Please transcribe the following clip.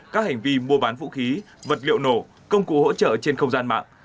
các hành vi mua bán vũ khí vật liệu nổ công cụ hỗ trợ trên không gian mạng